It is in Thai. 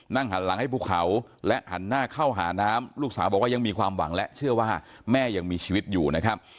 หันหลังให้ภูเขาและหันหน้าเข้าหาน้ำลูกสาวบอกว่ายังมีความหวังและเชื่อว่าแม่ยังมีชีวิตอยู่นะครับ